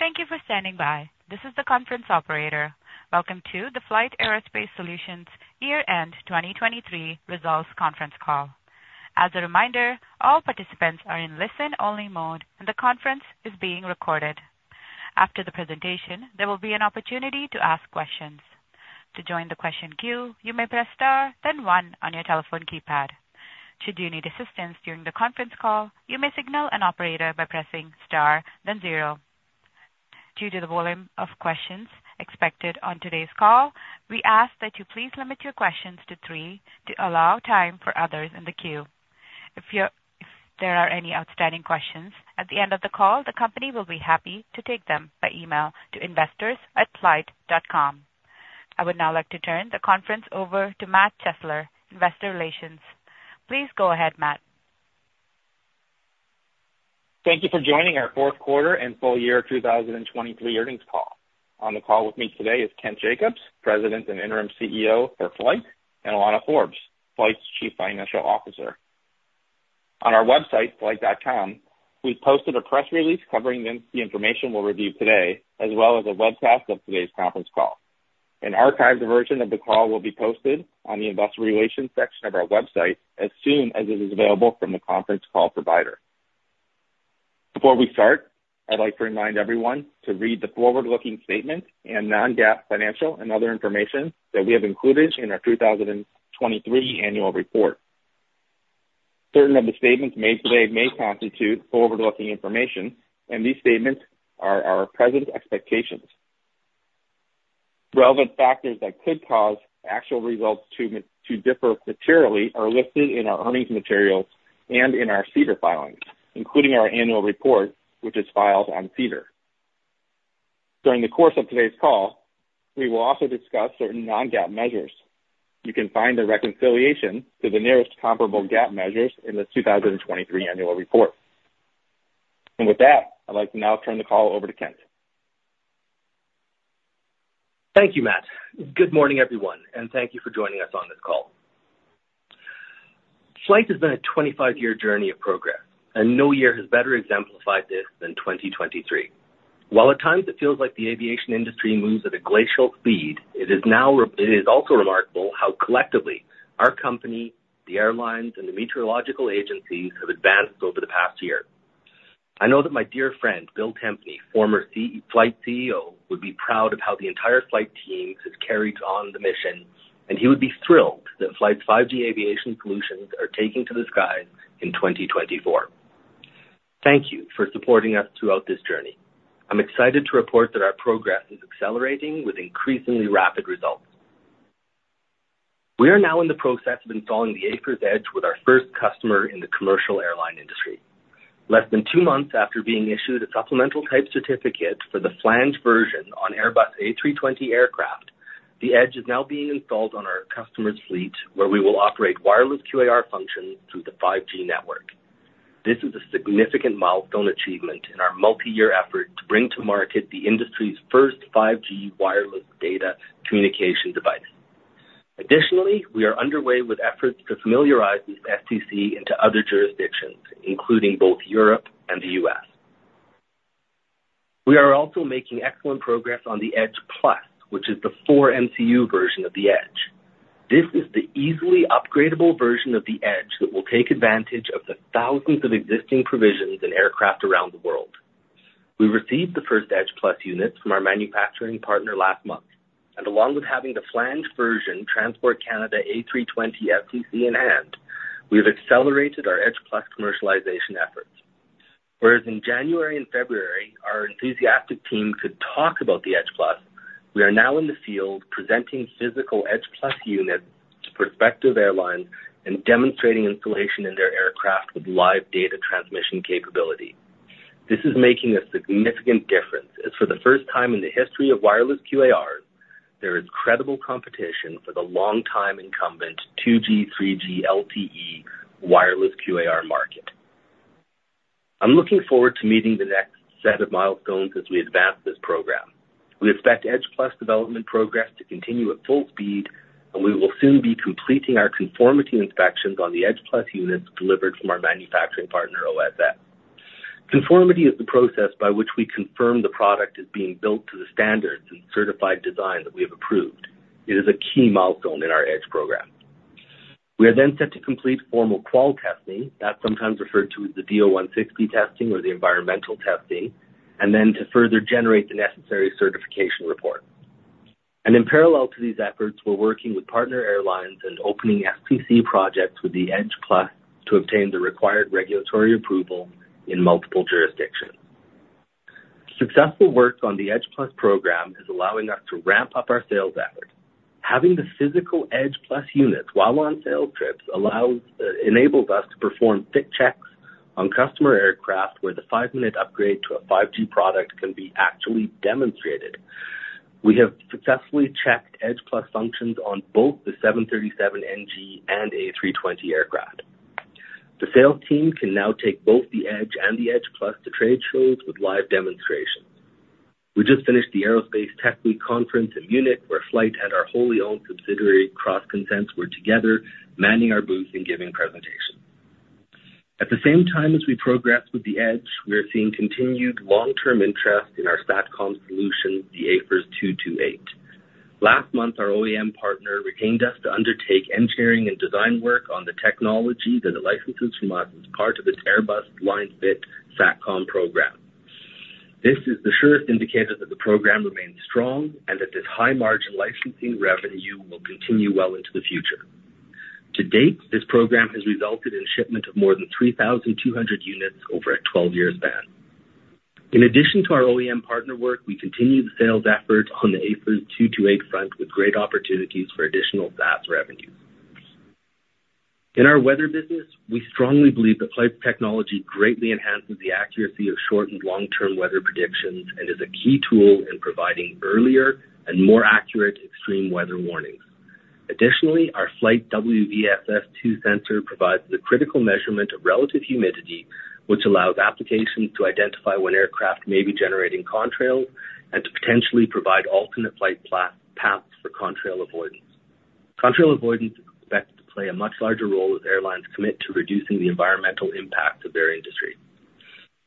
Thank you for standing by. This is the conference operator. Welcome to the FLYHT Aerospace Solutions Year-End 2023 results conference call. As a reminder, all participants are in listen-only mode, and the conference is being recorded. After the presentation, there will be an opportunity to ask questions. To join the question queue, you may press Star, then one on your telephone keypad. Should you need assistance during the conference call, you may signal an operator by pressing Star, then zero. Due to the volume of questions expected on today's call, we ask that you please limit your questions to three to allow time for others in the queue. If there are any outstanding questions at the end of the call, the company will be happy to take them by email to investors@flyht.com. I would now like to turn the conference over to Matt Chesler, Investor Relations. Please go ahead, Matt. Thank you for joining our fourth quarter and full year 2023 earnings call. On the call with me today is Kent Jacobs, President and Interim CEO for FLYHT, and Alana Forbes, FLYHT's Chief Financial Officer. On our website, flyht.com, we've posted a press release covering the information we'll review today, as well as a webcast of today's conference call. An archived version of the call will be posted on the Investor Relations section of our website as soon as it is available from the conference call provider. Before we start, I'd like to remind everyone to read the forward-looking statements and non-GAAP financial and other information that we have included in our 2023 annual report. Certain of the statements made today may constitute forward-looking information, and these statements are our present expectations. Relevant factors that could cause actual results to differ materially are listed in our earnings materials and in our SEDAR filings, including our annual report, which is filed on SEDAR. During the course of today's call, we will also discuss certain non-GAAP measures. You can find the reconciliation to the nearest comparable GAAP measures in the 2023 annual report. With that, I'd like to now turn the call over to Kent. Thank you, Matt. Good morning, everyone, and thank you for joining us on this call. FLYHT has been a 25-year journey of progress, and no year has better exemplified this than 2023. While at times it feels like the aviation industry moves at a glacial speed, it is also remarkable how collectively our company, the airlines, and the meteorological agencies have advanced over the past year. I know that my dear friend, Bill Tempany, former CEO, FLYHT CEO, would be proud of how the entire FLYHT team has carried on the mission, and he would be thrilled that FLYHT's 5G aviation solutions are taking to the skies in 2024. Thank you for supporting us throughout this journey. I'm excited to report that our progress is accelerating with increasingly rapid results. We are now in the process of installing the AFIRS Edge with our first customer in the commercial airline industry. Less than two months after being issued a supplemental type certificate for the flanged version on Airbus A320 aircraft, the Edge is now being installed on our customer's fleet, where we will operate wireless QAR functions through the 5G network. This is a significant milestone achievement in our multi-year effort to bring to market the industry's first 5G wireless data communication device. Additionally, we are underway with efforts to familiarize these STC into other jurisdictions, including both Europe and the U.S. We are also making excellent progress on the Edge Plus, which is the four MCU version of the Edge. This is the easily upgradable version of the Edge that will take advantage of the thousands of existing provisions in aircraft around the world. We received the first Edge Plus units from our manufacturing partner last month, and along with having the flanged version, Transport Canada A320 STC in hand, we have accelerated our Edge Plus commercialization efforts. Whereas in January and February, our enthusiastic team could talk about the Edge Plus, we are now in the field presenting physical Edge Plus units to prospective airlines and demonstrating installation in their aircraft with live data transmission capability. This is making a significant difference, as for the first time in the history of wireless QAR, there is credible competition for the long-time incumbent 2G, 3G, LTE wireless QAR market. I'm looking forward to meeting the next set of milestones as we advance this program. We expect Edge Plus development progress to continue at full speed, and we will soon be completing our conformity inspections on the Edge Plus units delivered from our manufacturing partner, OSS. Conformity is the process by which we confirm the product is being built to the standards and certified design that we have approved. It is a key milestone in our Edge program. We are then set to complete formal qual testing, that's sometimes referred to as the DO-160 testing or the environmental testing, and then to further generate the necessary certification report. In parallel to these efforts, we're working with partner airlines and opening STC projects with the Edge Plus to obtain the required regulatory approval in multiple jurisdictions. Successful work on the Edge Plus program is allowing us to ramp up our sales effort. Having the physical Edge+ units while on sales trips allows, enables us to perform fit checks on customer aircraft, where the five-minute upgrade to a 5G product can be actually demonstrated. We have successfully checked Edge+ functions on both the 737 NG and A320 aircraft. The sales team can now take both the Edge and the Edge+ to trade shows with live demonstrations. We just finished the Aerospace Tech Week conference in Munich, where FLYHT and our wholly owned subsidiary, CrossConsense, were together manning our booth and giving presentations. At the same time as we progress with the Edge, we are seeing continued long-term interest in our SATCOM solution, the AFIRS 228. Last month, our OEM partner retained us to undertake engineering and design work on the technology that it licenses from us as part of the Airbus Line Fit SATCOM program. This is the surest indicator that the program remains strong and that this high-margin licensing revenue will continue well into the future. To date, this program has resulted in shipment of more than 3,200 units over a 12-year span. In addition to our OEM partner work, we continue the sales effort on the AFIRS-228 front, with great opportunities for additional SaaS revenue. In our weather business, we strongly believe that FLYHT technology greatly enhances the accuracy of short- and long-term weather predictions and is a key tool in providing earlier and more accurate extreme weather warnings. Additionally, our FLYHT WVSS-II sensor provides the critical measurement of relative humidity, which allows applications to identify when aircraft may be generating contrails and to potentially provide alternate flight paths for contrail avoidance. Contrail avoidance is expected to play a much larger role as airlines commit to reducing the environmental impact of their industry.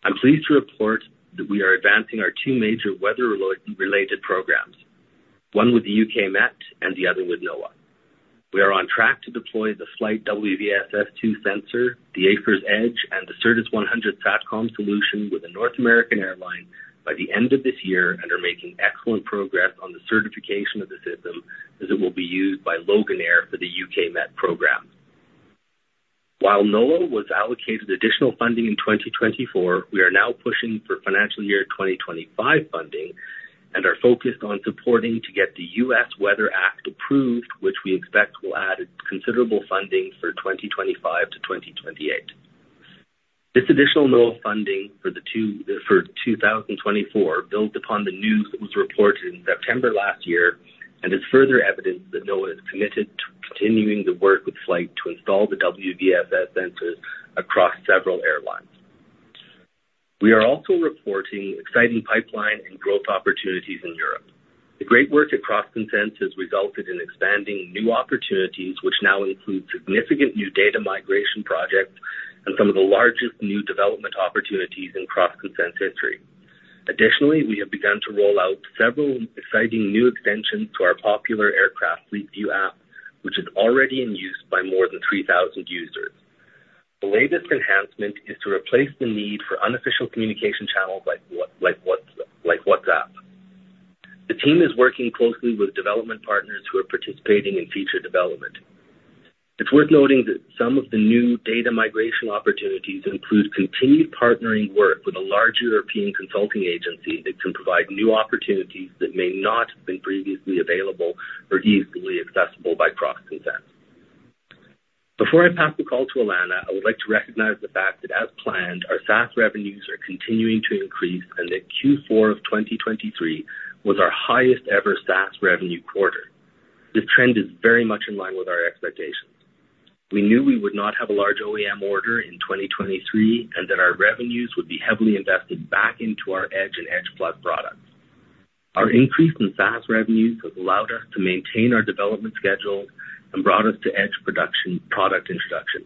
I'm pleased to report that we are advancing our two major weather-related programs, one with the UK Met and the other with NOAA. We are on track to deploy the FLYHT WVSS-II sensor, the AFIRS Edge, and theCertus 100 SATCOM solution with a North American airline by the end of this year, and are making excellent progress on the certification of the system as it will be used by Loganair for the UK Met program. While NOAA was allocated additional funding in 2024, we are now pushing for financial year 2025 funding and are focused on supporting to get the US Weather Act approved, which we expect will add considerable funding for 2025-2028. This additional NOAA funding for 2024 builds upon the news that was reported in September last year and is further evidence that NOAA is committed to continuing to work with FLYHT to install the WVSS sensors across several airlines. We are also reporting exciting pipeline and growth opportunities in Europe. The great work at CrossConsense has resulted in expanding new opportunities, which now include significant new data migration projects and some of the largest new development opportunities in CrossConsense history. Additionally, we have begun to roll out several exciting new extensions to our popular Aircraft Fleet View app, which is already in use by more than 3,000 users. The latest enhancement is to replace the need for unofficial communication channels like WhatsApp. The team is working closely with development partners who are participating in feature development. It's worth noting that some of the new data migration opportunities include continued partnering work with a large European consulting agency that can provide new opportunities that may not have been previously available or easily accessible by CrossConsense. Before I pass the call to Alana, I would like to recognize the fact that, as planned, our SaaS revenues are continuing to increase and that Q4 of 2023 was our highest ever SaaS revenue quarter. This trend is very much in line with our expectations. We knew we would not have a large OEM order in 2023, and that our revenues would be heavily invested back into our Edge and Edge Plus products. Our increase in SaaS revenues has allowed us to maintain our development schedules and brought us to Edge production, product introduction.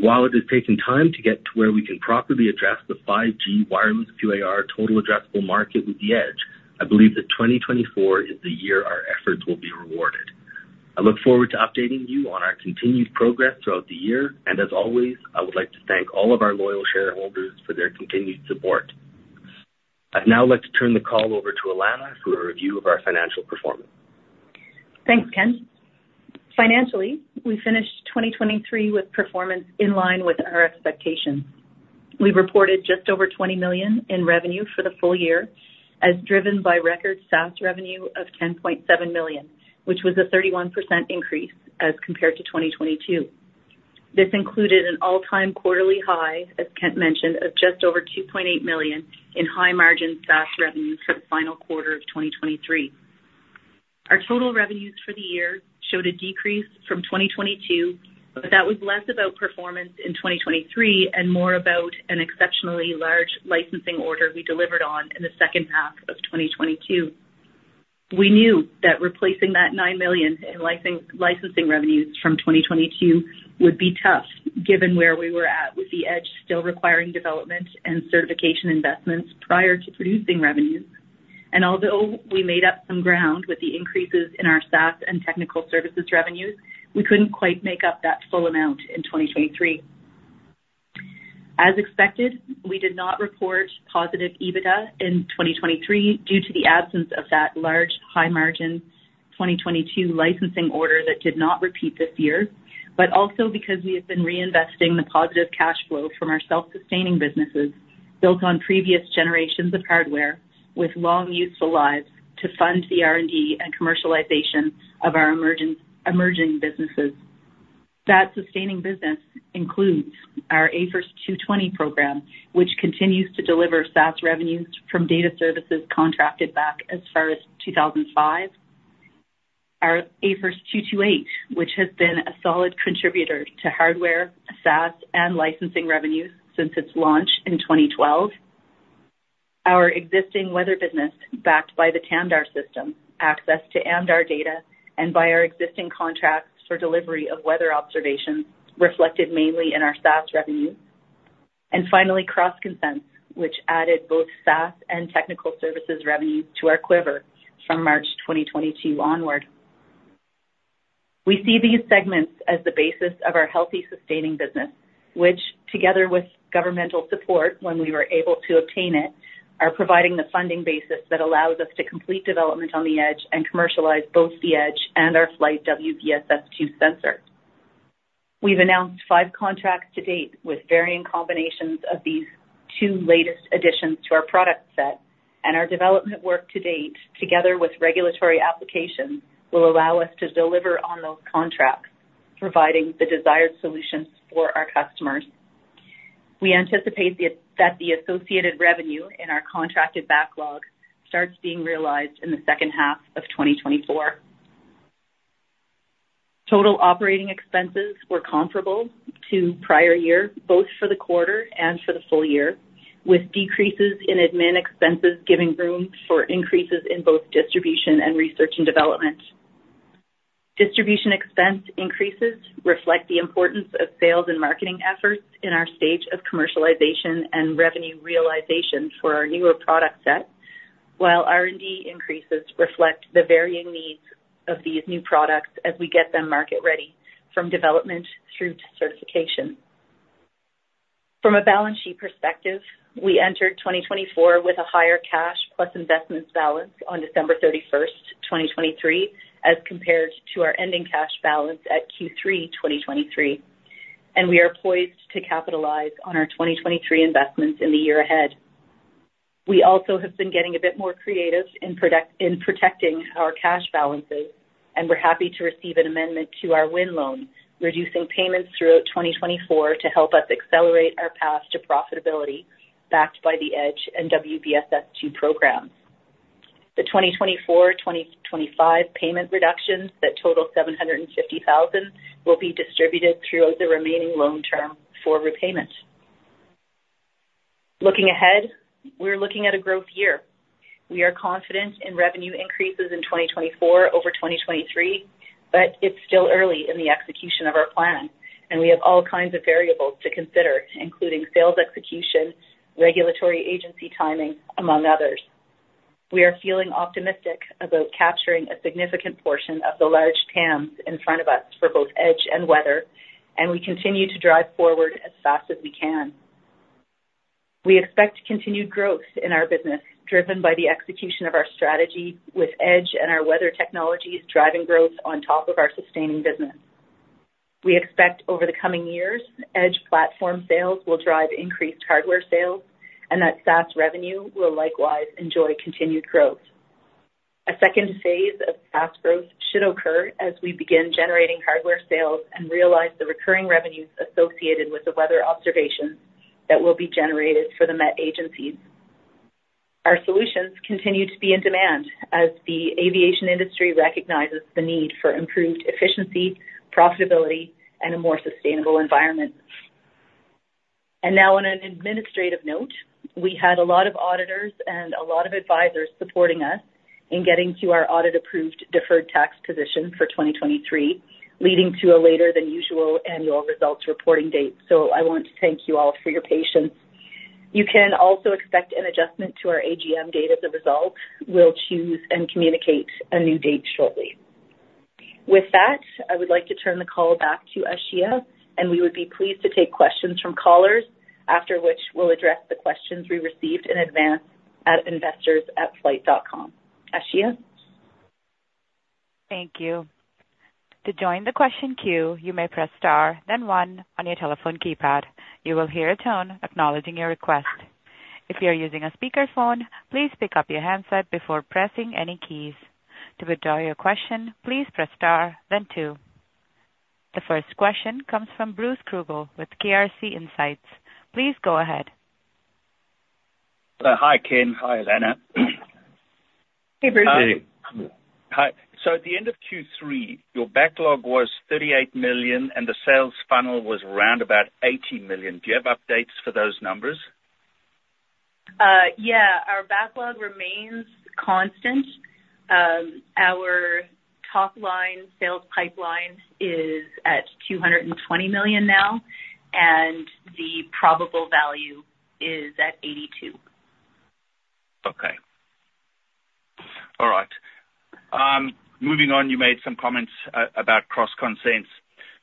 While it is taking time to get to where we can properly address the 5G wireless QAR total addressable market with the Edge, I believe that 2024 is the year our efforts will be rewarded. I look forward to updating you on our continued progress throughout the year, and as always, I would like to thank all of our loyal shareholders for their continued support. I'd now like to turn the call over to Alana for a review of our financial performance. Thanks, Kent. Financially, we finished 2023 with performance in line with our expectations. We reported just over 20 million in revenue for the full year, as driven by record SaaS revenue of 10.7 million, which was a 31% increase as compared to 2022. This included an all-time quarterly high, as Kent mentioned, of just over 2.8 million in high-margin SaaS revenue for the final quarter of 2023. Our total revenues for the year showed a decrease from 2022, but that was less about performance in 2023 and more about an exceptionally large licensing order we delivered on in the second half of 2022. We knew that replacing that 9 million in licensing, licensing revenues from 2022 would be tough, given where we were at, with the Edge still requiring development and certification investments prior to producing revenues. Although we made up some ground with the increases in our SaaS and technical services revenues, we couldn't quite make up that full amount in 2023. As expected, we did not report positive EBITDA in 2023 due to the absence of that large, high-margin 2022 licensing order that did not repeat this year, but also because we have been reinvesting the positive cash flow from our self-sustaining businesses built on previous generations of hardware with long, useful lives, to fund the R&D and commercialization of our emerging, emerging businesses. That sustaining business includes our AFIRS 220 program, which continues to deliver SaaS revenues from data services contracted back as far as 2005. Our AFIRS 228, which has been a solid contributor to hardware, SaaS, and licensing revenues since its launch in 2012.... Our existing weather business, backed by the TAMDAR system, access to ACARS data, and by our existing contracts for delivery of weather observations, reflected mainly in our SaaS revenue. And finally, CrossConsense, which added both SaaS and technical services revenue to our quiver from March 2022 onward. We see these segments as the basis of our healthy, sustaining business, which, together with governmental support, when we were able to obtain it, are providing the funding basis that allows us to complete development on the Edge and commercialize both the Edge and our FLYHT WVSS-II sensor. We've announced five contracts to date with varying combinations of these two latest additions to our product set, and our development work to date, together with regulatory applications, will allow us to deliver on those contracts, providing the desired solutions for our customers. We anticipate that the associated revenue in our contracted backlog starts being realized in the second half of 2024. Total operating expenses were comparable to prior year, both for the quarter and for the full year, with decreases in admin expenses giving room for increases in both distribution and research and development. Distribution expense increases reflect the importance of sales and marketing efforts in our stage of commercialization and revenue realization for our newer product set, while R&D increases reflect the varying needs of these new products as we get them market ready, from development through to certification. From a balance sheet perspective, we entered 2024 with a higher cash plus investments balance on December 31, 2023, as compared to our ending cash balance at Q3 2023, and we are poised to capitalize on our 2023 investments in the year ahead. We also have been getting a bit more creative in protecting our cash balances, and we're happy to receive an amendment to our WINN loan, reducing payments throughout 2024 to help us accelerate our path to profitability, backed by the Edge and WVSS-II programs. The 2024/2025 payment reductions that total 750,000 will be distributed throughout the remaining loan term for repayment. Looking ahead, we're looking at a growth year. We are confident in revenue increases in 2024 over 2023, but it's still early in the execution of our plan, and we have all kinds of variables to consider, including sales execution, regulatory agency timing, among others. We are feeling optimistic about capturing a significant portion of the large TAMs in front of us for both Edge and Weather, and we continue to drive forward as fast as we can. We expect continued growth in our business, driven by the execution of our strategy with Edge and our weather technologies driving growth on top of our sustaining business. We expect over the coming years, Edge platform sales will drive increased hardware sales and that SaaS revenue will likewise enjoy continued growth. A second phase of fast growth should occur as we begin generating hardware sales and realize the recurring revenues associated with the weather observations that will be generated for the met agencies. Our solutions continue to be in demand as the aviation industry recognizes the need for improved efficiency, profitability, and a more sustainable environment. Now on an administrative note, we had a lot of auditors and a lot of advisors supporting us in getting to our audit-approved deferred tax position for 2023, leading to a later than usual annual results reporting date. So I want to thank you all for your patience. You can also expect an adjustment to our AGM date as a result. We'll choose and communicate a new date shortly. With that, I would like to turn the call back to Ashia, and we would be pleased to take questions from callers, after which we'll address the questions we received in advance at investors@flyht.com. Ashia? Thank you. To join the question queue, you may press Star, then One on your telephone keypad. You will hear a tone acknowledging your request. If you are using a speakerphone, please pick up your handset before pressing any keys. To withdraw your question, please press Star then Two. The first question comes from Bruce Krugel with KRC Insights. Please go ahead. Hi, Kent. Hi, Alana. Hey, Bruce. Hi. So at the end of Q3, your backlog was 38 million, and the sales funnel was around about 80 million. Do you have updates for those numbers? Yeah, our backlog remains constant. Our top line sales pipeline is at 220 million now, and the probable value is at 82 million. Okay. All right. Moving on, you made some comments about CrossConsense.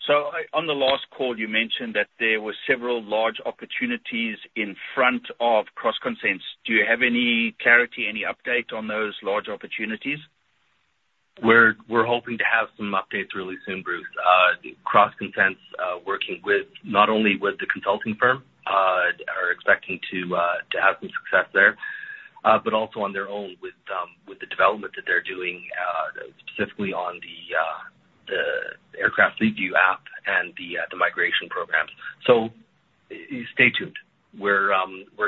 So on the last call, you mentioned that there were several large opportunities in front of CrossConsense. Do you have any clarity, any update on those large opportunities? We're hoping to have some updates really soon, Bruce. CrossConsense, working with not only the consulting firm, are expecting to have some success there, but also on their own with the development that they're doing, specifically on the Aircraft Fleet View app and the migration programs. So stay tuned. We're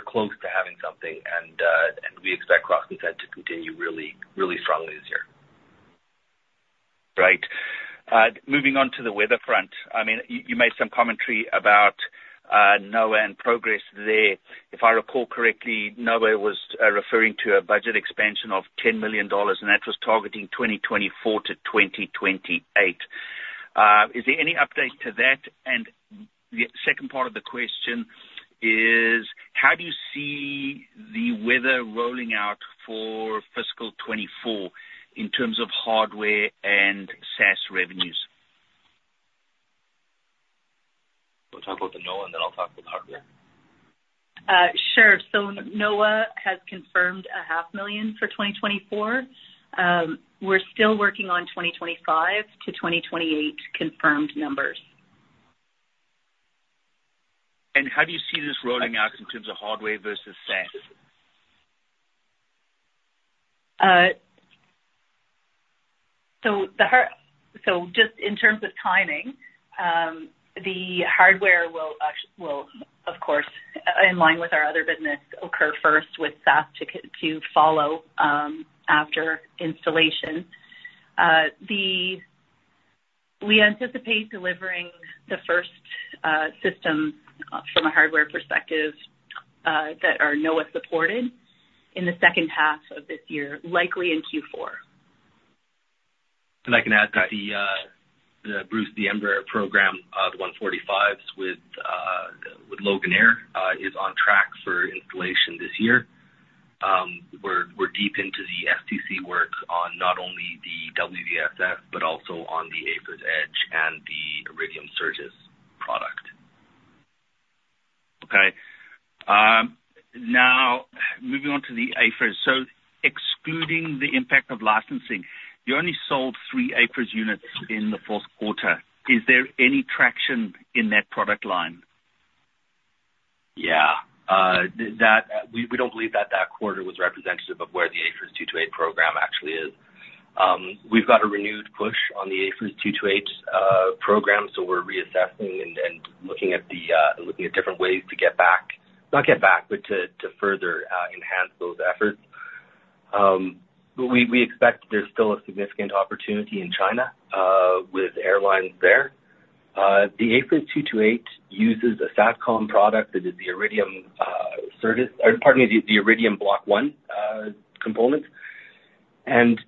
close to having something, and we expect CrossConsense to continue really, really strongly this year. ... Great. Moving on to the weather front. I mean, you made some commentary about NOAA and progress there. If I recall correctly, NOAA was referring to a budget expansion of $10 million, and that was targeting 2024-2028. Is there any update to that? And the second part of the question is: how do you see the weather rolling out for fiscal 2024 in terms of hardware and SaaS revenues? We'll talk about the NOAA, and then I'll talk about the hardware. Sure. So NOAA has confirmed $500,000 for 2024. We're still working on 2025-2028 confirmed numbers. How do you see this rolling out in terms of hardware versus SaaS? So just in terms of timing, the hardware will, of course, in line with our other business, occur first with SaaS to follow after installation. We anticipate delivering the first system from a hardware perspective that are NOAA supported in the second half of this year, likely in Q4. I can add that the Embraer program, the 145s with Loganair, is on track for installation this year. We're deep into the fit check work on not only the WVSS-II, but also on the AFIRS Edge and the Iridium Certus product. Okay. Now moving on to the AFIRS. So excluding the impact of licensing, you only sold three AFIRS units in the fourth quarter. Is there any traction in that product line? Yeah. We don't believe that that quarter was representative of where the AFIRS 228 program actually is. We've got a renewed push on the AFIRS 228 program, so we're reassessing and looking at different ways to get back. Not get back, but to further enhance those efforts. We expect there's still a significant opportunity in China with airlines there. The AFIRS 228 uses a SatCom product that is the Iridium Certus, or pardon me, the Iridium Block one component. And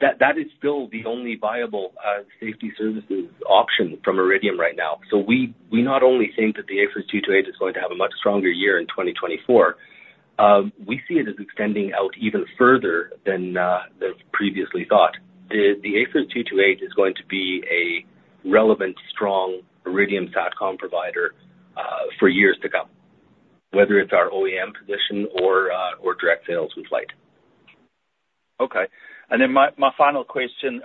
that is still the only viable safety services option from Iridium right now. So we not only think that the AFIRS 228 is going to have a much stronger year in 2024, we see it as extending out even further than previously thought. The AFIRS 228 is going to be a relevant, strong Iridium SatCom provider for years to come, whether it's our OEM position or direct sales with FLYHT. Okay. Then my final question,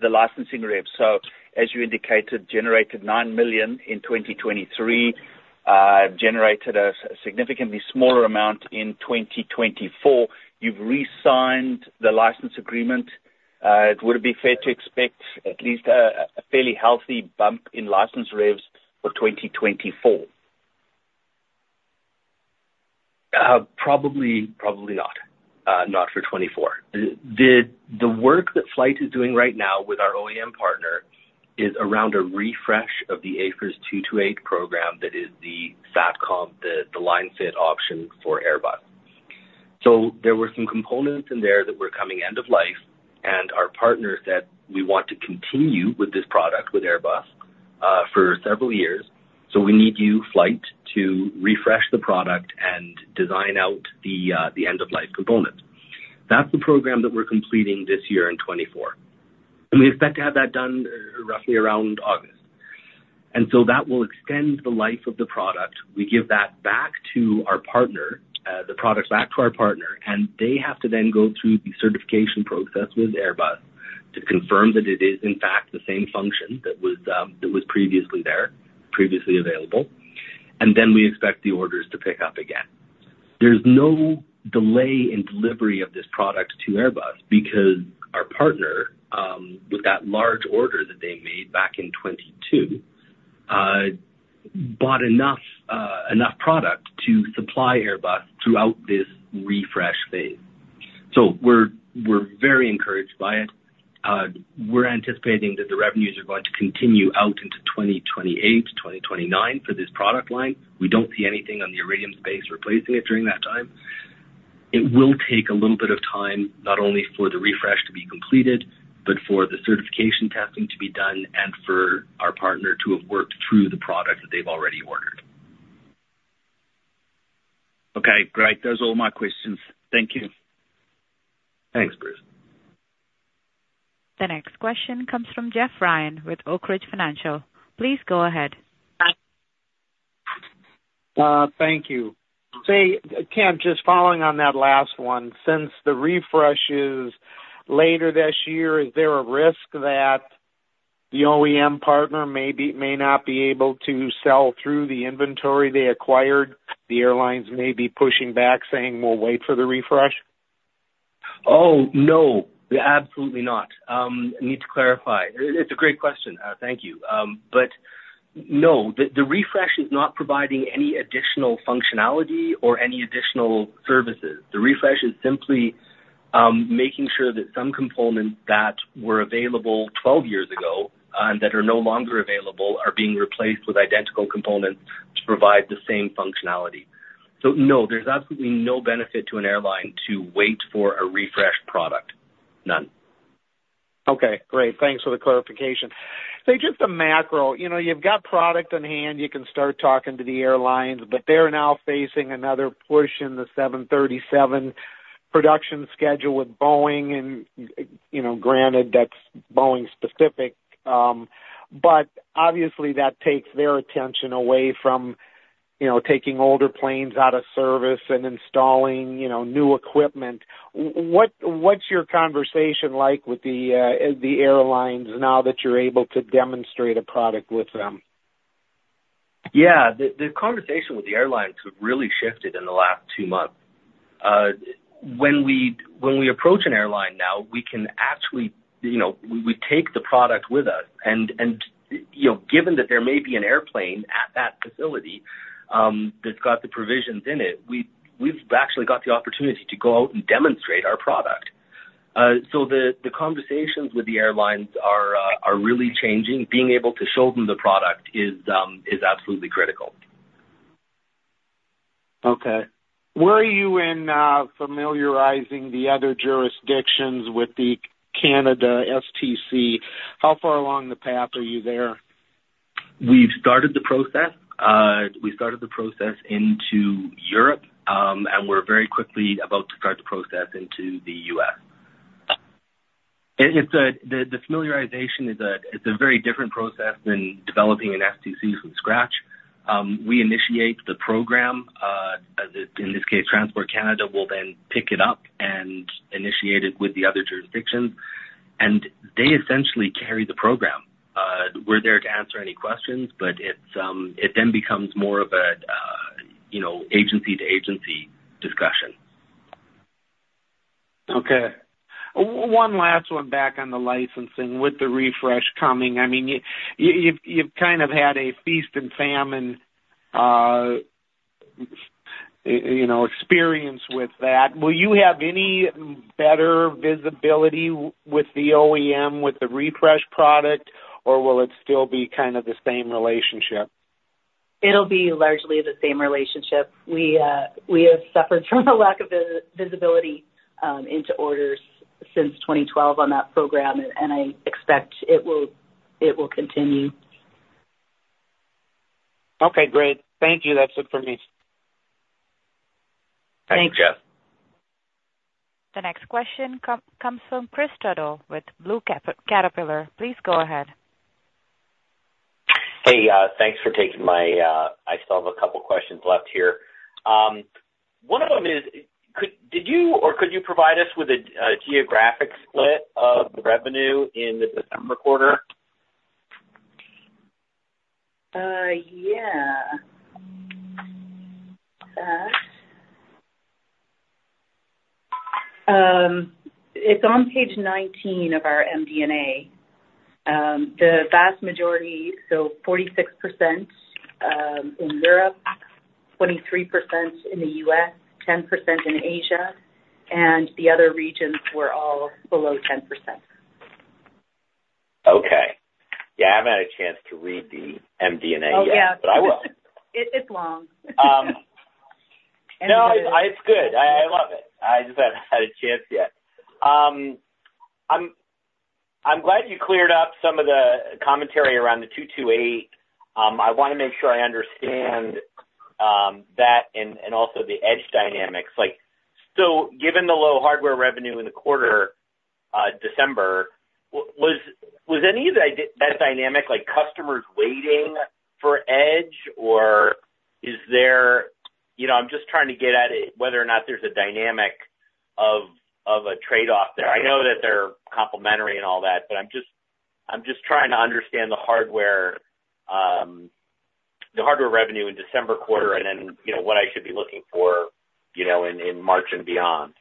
the licensing rev. So as you indicated, generated 9 million in 2023, generated a significantly smaller amount in 2024. You've re-signed the license agreement. Would it be fair to expect at least a fairly healthy bump in license revs for 2024? Probably, probably not, not for 2024. The work that FLYHT is doing right now with our OEM partner is around a refresh of the AFIRS 228 program. That is the SatCom, the line-fit option for Airbus. So there were some components in there that were coming end of life, and our partner said, "We want to continue with this product with Airbus, for several years, so we need you, FLYHT, to refresh the product and design out the end-of-life component." That's the program that we're completing this year in 2024, and we expect to have that done roughly around August. And so that will extend the life of the product. We give that back to our partner, the products back to our partner, and they have to then go through the certification process with Airbus to confirm that it is in fact the same function that was, that was previously there, previously available. And then we expect the orders to pick up again. There's no delay in delivery of this product to Airbus because our partner, with that large order that they made back in 2022, bought enough, enough product to supply Airbus throughout this refresh phase. So we're, we're very encouraged by it. We're anticipating that the revenues are going to continue out into 2028, 2029 for this product line. We don't see anything on the Iridium space replacing it during that time. It will take a little bit of time, not only for the refresh to be completed, but for the certification testing to be done and for our partner to have worked through the product that they've already ordered. Okay, great. Those are all my questions. Thank you. Thanks, Bruce. The next question comes from Jeff Ryan with Oak Ridge Financial. Please go ahead. Thank you. Say, Kent, just following on that last one. Since the refresh is later this year, is there a risk that the OEM partner may be, may not be able to sell through the inventory they acquired, the airlines may be pushing back, saying, "We'll wait for the refresh"? Oh, no, absolutely not. I need to clarify. It, it's a great question. Thank you. No, the refresh is not providing any additional functionality or any additional services. The refresh is simply making sure that some components that were available 12 years ago, and that are no longer available, are being replaced with identical components to provide the same functionality. So no, there's absolutely no benefit to an airline to wait for a refreshed product. None. Okay, great. Thanks for the clarification. So just the macro, you know, you've got product on hand, you can start talking to the airlines, but they're now facing another push in the 737 production schedule with Boeing, and, you know, granted, that's Boeing specific, but obviously, that takes their attention away from, you know, taking older planes out of service and installing, you know, new equipment. What's your conversation like with the, the airlines now that you're able to demonstrate a product with them? Yeah. The conversation with the airlines have really shifted in the last two months. When we approach an airline now, we can actually, you know, we take the product with us, and, you know, given that there may be an airplane at that facility, that's got the provisions in it, we've actually got the opportunity to go out and demonstrate our product. So the conversations with the airlines are really changing. Being able to show them the product is absolutely critical. Okay. Where are you in familiarizing the other jurisdictions with the Canada STC? How far along the path are you there? We've started the process. We started the process into Europe, and we're very quickly about to start the process into the U.S. It's a very different process than developing an STC from scratch. We initiate the program, as in this case, Transport Canada will then pick it up and initiate it with the other jurisdictions, and they essentially carry the program. We're there to answer any questions, but it's, it then becomes more of a, you know, agency to agency discussion. Okay. One last one back on the licensing with the refresh coming. I mean, you've, you've kind of had a feast and famine, you know, experience with that. Will you have any better visibility with the OEM, with the refresh product, or will it still be kind of the same relationship? It'll be largely the same relationship. We have suffered from a lack of visibility into orders since 2012 on that program, and I expect it will continue. Okay, great. Thank you. That's it for me. Thank you, Jeff. Thanks. The next question comes from Kris Tuttle with Blue Caterpillar. Please go ahead. Hey, thanks for taking my... I still have a couple questions left here. One of them is, could—did you, or could you provide us with a geographic split of the revenue in the December quarter? Yeah. It's on page 19 of our MD&A. The vast majority, so 46% in Europe, 23% in the U.S., 10% in Asia, and the other regions were all below 10%. Okay. Yeah, I haven't had a chance to read the MD&A yet- Oh, yeah. But I will. It's long. No, it's good. I love it. I just haven't had a chance yet. I'm glad you cleared up some of the commentary around the 228. I wanna make sure I understand that and also the Edge dynamics. Like, so given the low hardware revenue in the quarter, December, was any of that dynamic, like customers waiting for Edge, or is there... You know, I'm just trying to get at it, whether or not there's a dynamic of a trade-off there. I know that they're complementary and all that, but I'm just trying to understand the hardware revenue in December quarter, and then, you know, what I should be looking for, you know, in March and beyond.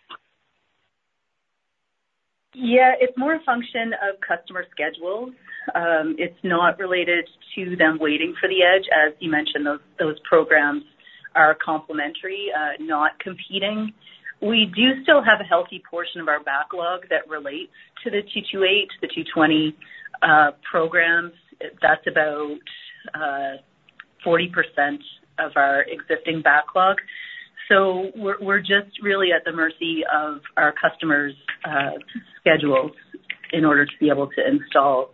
Yeah, it's more a function of customer schedules. It's not related to them waiting for the Edge. As you mentioned, those, those programs are complementary, not competing. We do still have a healthy portion of our backlog that relates to the 228, the 220, programs. That's about 40% of our existing backlog. So we're, we're just really at the mercy of our customers', schedules in order to be able to install,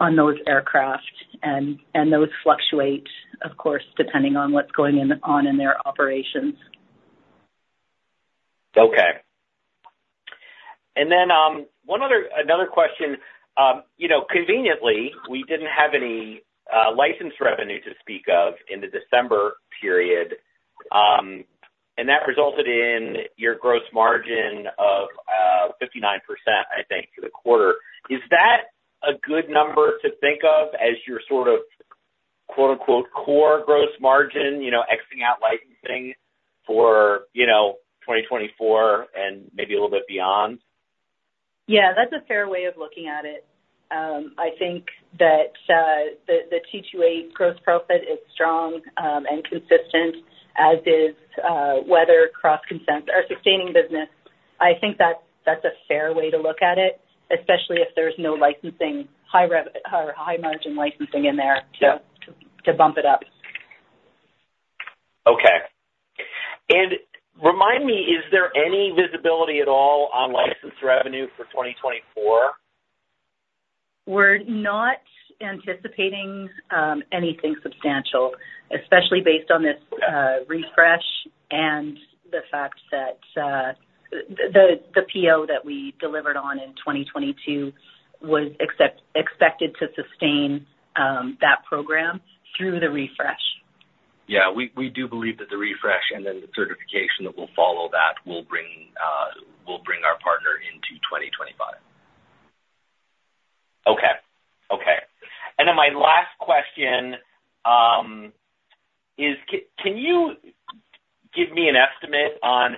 on those aircraft, and, and those fluctuate, of course, depending on what's going on in their operations. Okay. And then, one other, another question. You know, conveniently, we didn't have any licensed revenue to speak of in the December period, and that resulted in your gross margin of 59%, I think, for the quarter. Is that a good number to think of as your sort of quote, unquote, "core gross margin," you know, X-ing out licensing for, you know, 2024 and maybe a little bit beyond?... Yeah, that's a fair way of looking at it. I think that the T28 gross profit is strong and consistent, as is weather CrossConsense, our sustaining business. I think that's a fair way to look at it, especially if there's no licensing, high rev-- or high margin licensing in there to bump it up. Okay. And remind me, is there any visibility at all on licensed revenue for 2024? We're not anticipating anything substantial, especially based on this refresh and the fact that the PO that we delivered on in 2022 was expected to sustain that program through the refresh. Yeah. We do believe that the refresh and then the certification that will follow that will bring our partner into 2025. Okay. Okay. And then my last question is can you give me an estimate on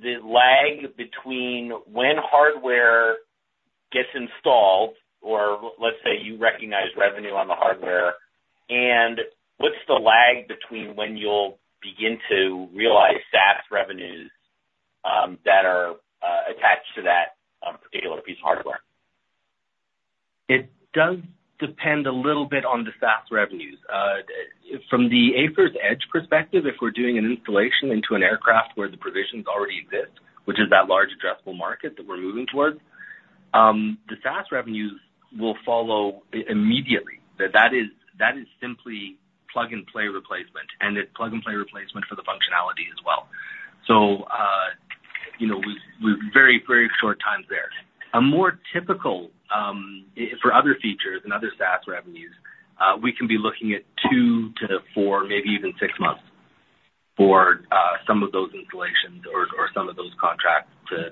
the lag between when hardware gets installed, or let's say, you recognize revenue on the hardware, and what's the lag between when you'll begin to realize SaaS revenues that are attached to that particular piece of hardware? It does depend a little bit on the SaaS revenues. From the AFIRS Edge perspective, if we're doing an installation into an aircraft where the provisions already exist, which is that large addressable market that we're moving towards, the SaaS revenues will follow immediately. That is, that is simply plug and play replacement, and it's plug and play replacement for the functionality as well. So, you know, we very, very short times there. A more typical, for other features and other SaaS revenues, we can be looking at two to four, maybe even six months for, some of those installations or some of those contracts to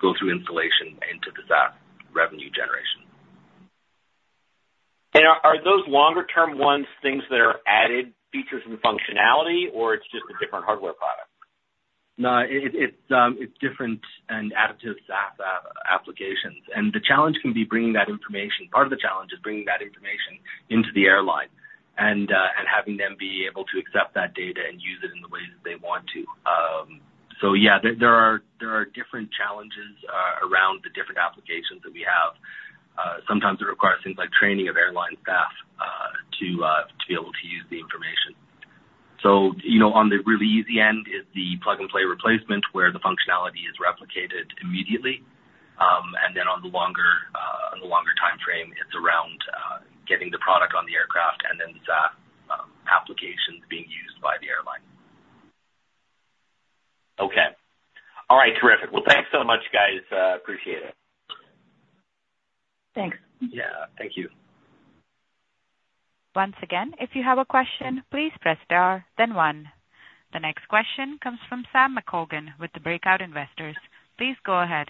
go through installation into the SaaS revenue generation. Are those longer term ones things that are added features and functionality, or it's just a different hardware product? No, it's different and additive SaaS applications. And the challenge can be bringing that information... Part of the challenge is bringing that information into the airline and having them be able to accept that data and use it in the ways that they want to. So yeah, there are different challenges around the different applications that we have. Sometimes it requires things like training of airline staff to be able to use the information. So, you know, on the really easy end is the plug and play replacement, where the functionality is replicated immediately. And then on the longer timeframe, it's around getting the product on the aircraft and then the SaaS applications being used by the airline. Okay. All right. Terrific. Well, thanks so much, guys, appreciate it. Thanks. Yeah. Thank you. Once again, if you have a question, please press star then one. The next question comes from Sam McColgan with the Breakout Investors. Please go ahead.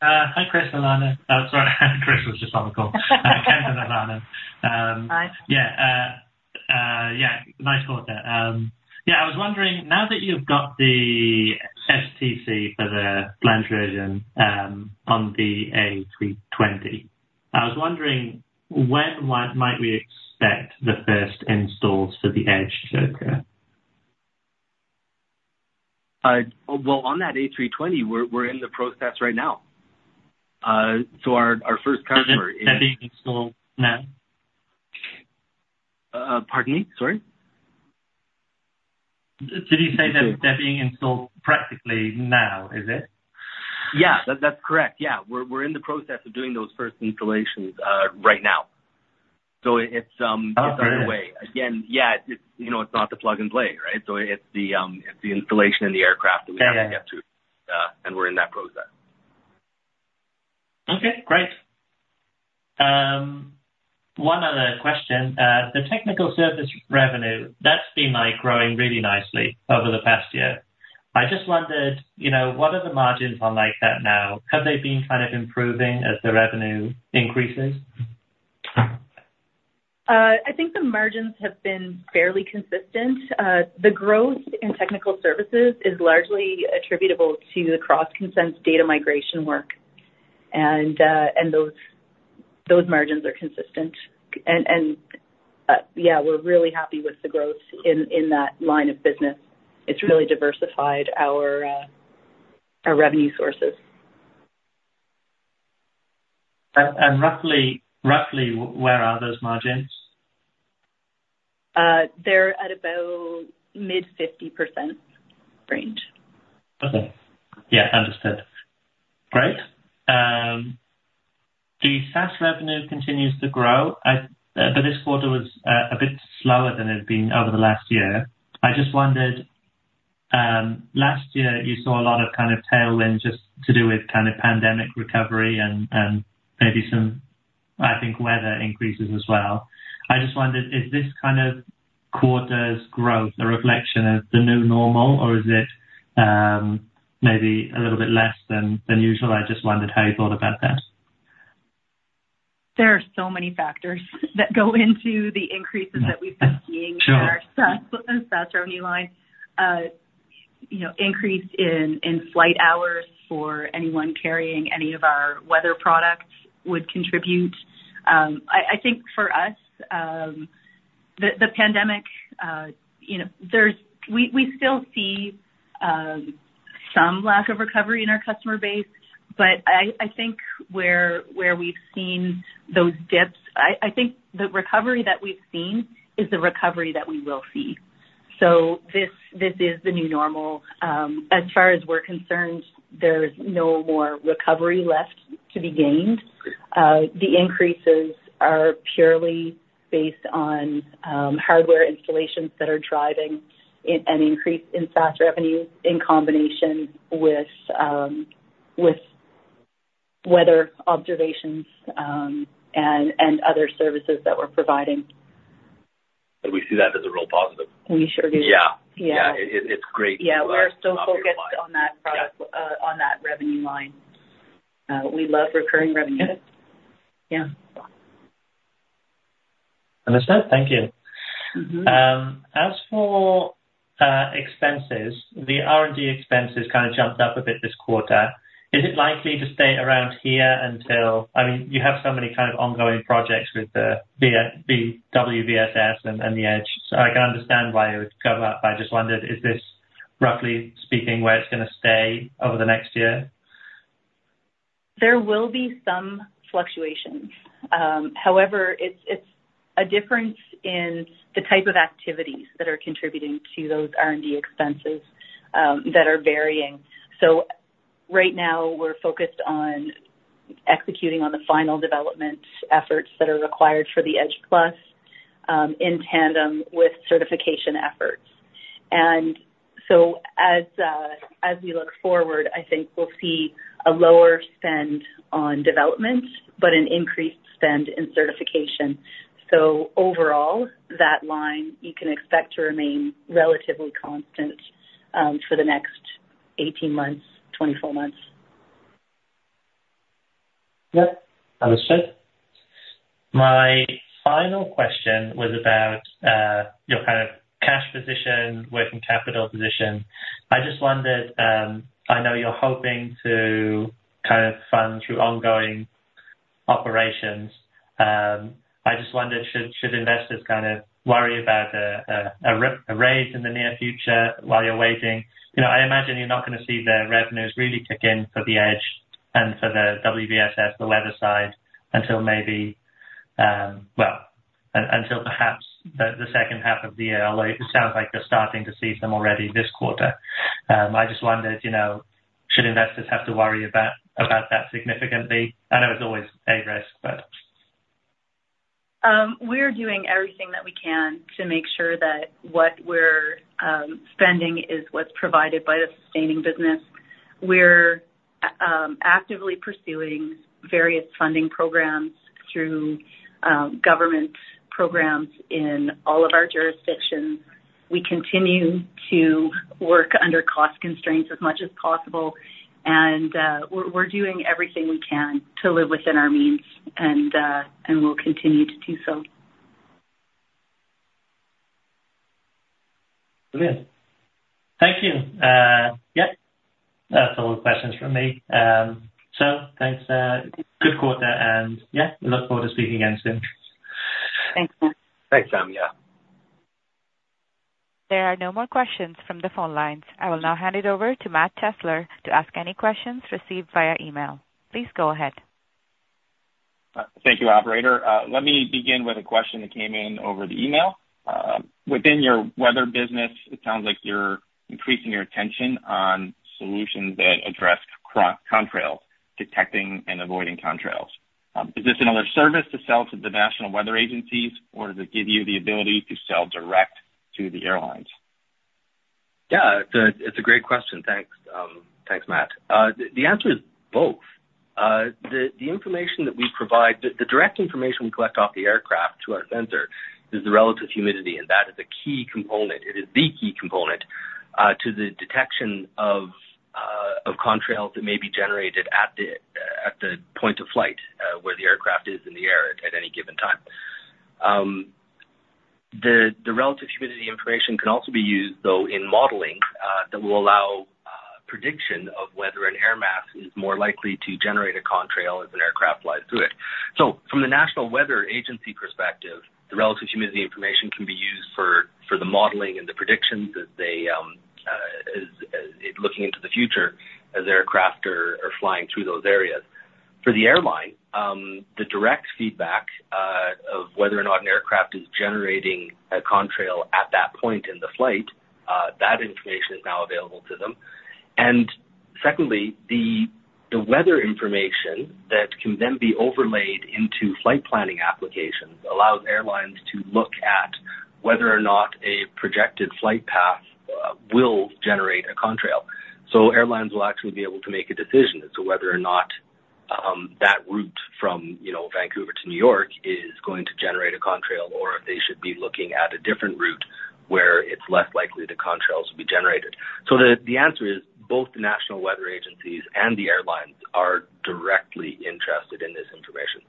Hi, Kris, Alana. Oh, sorry, Kris was just on the call. Kent to Alana. Hi. Yeah, yeah, nice quarter. Yeah, I was wondering, now that you've got the STC for the line-fit version, on the A320, I was wondering when, what might we expect the first installs for the Edge to occur? Well, on that A320, we're in the process right now. So our first customer- Is it being installed now? Pardon me? Sorry. Did you say that they're being installed practically now, is it? Yeah. That’s correct. Yeah. We’re in the process of doing those first installations right now. So it’s underway. Okay. Again, yeah, it's, you know, it's not the plug and play, right? So it's the installation in the aircraft- Yeah. -that we have to get to, and we're in that process. Okay, great. One other question. The technical service revenue, that's been, like, growing really nicely over the past year. I just wondered, you know, what are the margins on like that now? Have they been kind of improving as the revenue increases? I think the margins have been fairly consistent. The growth in technical services is largely attributable to the CrossConsense data migration work, and those margins are consistent. Yeah, we're really happy with the growth in that line of business. It's really diversified our revenue sources. Roughly, where are those margins? They're at about mid-50% range. Okay. Yeah. Understood. Great. The SaaS revenue continues to grow, I—but this quarter was a bit slower than it had been over the last year. I just wondered, last year you saw a lot of kind of tailwind just to do with kind of pandemic recovery and, and maybe some, I think, weather increases as well. I just wondered, is this kind of quarter's growth a reflection of the new normal, or is it, maybe a little bit less than, than usual? I just wondered how you thought about that.... There are so many factors that go into the increases that we've been seeing- Sure. In our SaaS, the SaaS revenue line. You know, increase in flight hours for anyone carrying any of our weather products would contribute. I think for us, the pandemic, you know, there's—we still see some lack of recovery in our customer base, but I think where we've seen those dips, I think the recovery that we've seen is the recovery that we will see. So this is the new normal. As far as we're concerned, there's no more recovery left to be gained. The increases are purely based on hardware installations that are driving an increase in SaaS revenue in combination with weather observations, and other services that we're providing. We see that as a real positive. We sure do. Yeah. Yeah. It's great. Yeah. We're still focused on that product- Yeah. on that revenue line. We love recurring revenue. Good. Yeah. Understood. Thank you. Mm-hmm. As for expenses, the R&D expenses kind of jumped up a bit this quarter. Is it likely to stay around here until... I mean, you have so many kind of ongoing projects with the WVSS and the Edge, so I can understand why it would go up. I just wondered, is this, roughly speaking, where it's gonna stay over the next year? There will be some fluctuations. However, it's a difference in the type of activities that are contributing to those R&D expenses that are varying. So right now, we're focused on executing on the final development efforts that are required for the Edge Plus, in tandem with certification efforts. And so as we look forward, I think we'll see a lower spend on development, but an increased spend in certification. So overall, that line, you can expect to remain relatively constant, for the next 18 months-24 months. Yep. Understood. My final question was about your kind of cash position, working capital position. I just wondered, I know you're hoping to kind of fund through ongoing operations. I just wondered, should investors kind of worry about a raise in the near future while you're waiting? You know, I imagine you're not gonna see the revenues really kick in for the Edge and for the WVSS, the weather side, until maybe, well, until perhaps the second half of the year, although it sounds like you're starting to see some already this quarter. I just wondered, you know, should investors have to worry about that significantly? I know it's always a risk, but. We're doing everything that we can to make sure that what we're spending is what's provided by the sustaining business. We're actively pursuing various funding programs through government programs in all of our jurisdictions. We continue to work under cost constraints as much as possible, and we're doing everything we can to live within our means, and we'll continue to do so. Brilliant. Thank you. Yep, that's all the questions from me. So thanks, good quarter, and yeah, we look forward to speaking again soon. Thanks. Thanks, Sam. Yeah. There are no more questions from the phone lines. I will now hand it over to Matt Chesler to ask any questions received via email. Please go ahead. Thank you, operator. Let me begin with a question that came in over the email. Within your weather business, it sounds like you're increasing your attention on solutions that address contrails, detecting and avoiding contrails. Is this another service to sell to the national weather agencies, or does it give you the ability to sell direct to the airlines? Yeah. It's a great question. Thanks. Thanks, Matt. The answer is both. The information that we provide, the direct information we collect off the aircraft to our sensor is the relative humidity, and that is a key component. It is the key component to the detection of contrails that may be generated at the point of flight where the aircraft is in the air at any given time. The relative humidity information can also be used, though, in modeling that will allow prediction of whether an air mass is more likely to generate a contrail as an aircraft flies through it. So from the National Weather Agency perspective, the relative humidity information can be used for the modeling and the predictions as they are looking into the future as aircraft are flying through those areas. For the airline, the direct feedback of whether or not an aircraft is generating a contrail at that point in the flight, that information is now available to them. And secondly, the weather information that can then be overlaid into flight planning applications allows airlines to look at whether or not a projected flight path will generate a contrail. So airlines will actually be able to make a decision as to whether or not that route from, you know, Vancouver to New York is going to generate a contrail, or if they should be looking at a different route... where it's less likely the contrails will be generated. So the answer is, both the national weather agencies and the airlines are directly interested in this information.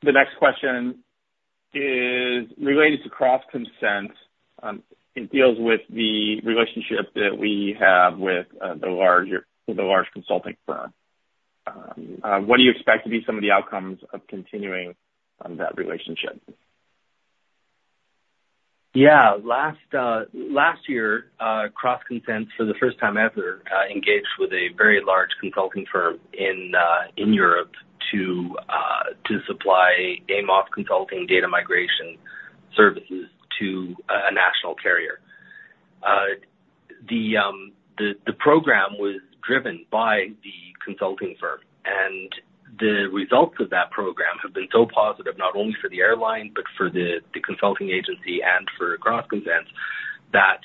The next question is related to CrossConsense. It deals with the relationship that we have with the large consulting firm. What do you expect to be some of the outcomes of continuing on that relationship? Yeah. Last year, CrossConsense, for the first time ever, engaged with a very large consulting firm in Europe to supply AMOS consulting data migration services to a national carrier. The program was driven by the consulting firm, and the results of that program have been so positive, not only for the airline, but for the consulting agency and for CrossConsense, that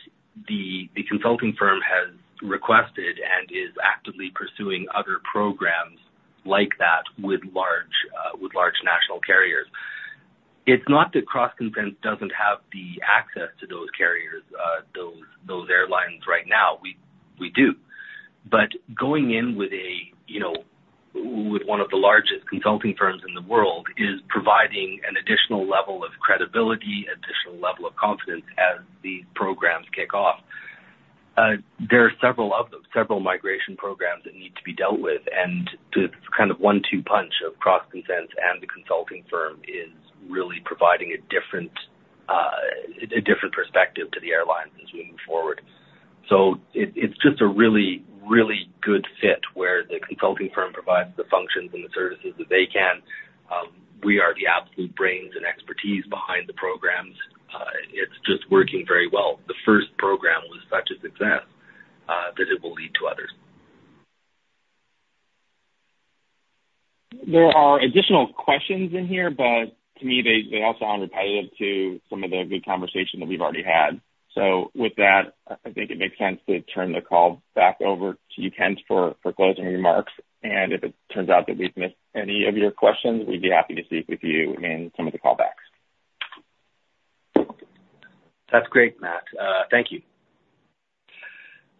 the consulting firm has requested and is actively pursuing other programs like that with large national carriers. It's not that CrossConsense doesn't have the access to those carriers, those airlines right now, we do. But going in with a, you know, with one of the largest consulting firms in the world, is providing an additional level of credibility, additional level of confidence as these programs kick off. There are several of them, several migration programs that need to be dealt with, and the kind of one-two punch of CrossConsense and the consulting firm is really providing a different, a different perspective to the airlines as we move forward. So it, it's just a really, really good fit, where the consulting firm provides the functions and the services that they can. We are the absolute brains and expertise behind the programs. It's just working very well. The first program was such a success, that it will lead to others. There are additional questions in here, but to me, they all sound repetitive to some of the good conversation that we've already had. So with that, I think it makes sense to turn the call back over to you, Kent, for closing remarks. And if it turns out that we've missed any of your questions, we'd be happy to speak with you in some of the callbacks. That's great, Matt. Thank you.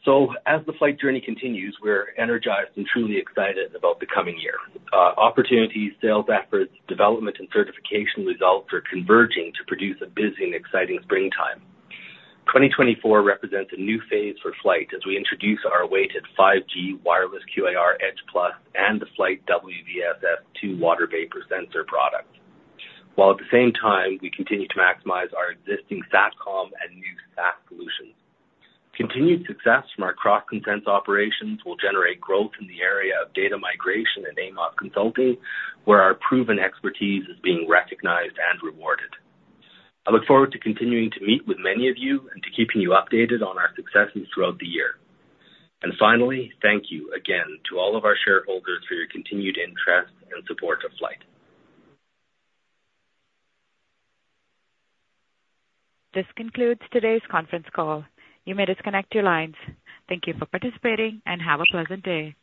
So as the FLYHT journey continues, we're energized and truly excited about the coming year. Opportunities, sales efforts, development and certification results are converging to produce a busy and exciting springtime. 2024 represents a new phase for FLYHT as we introduce our awaited 5G wireless QAR Edge+ and the FLYHT WVSS-II water vapor sensor product, while at the same time, we continue to maximize our existing SATCOM and new SaaS solutions. Continued success from our CrossConsense operations will generate growth in the area of data migration and AMOS consulting, where our proven expertise is being recognized and rewarded. I look forward to continuing to meet with many of you and to keeping you updated on our successes throughout the year. And finally, thank you again to all of our shareholders for your continued interest and support of FLYHT. This concludes today's conference call. You may disconnect your lines. Thank you for participating, and have a pleasant day.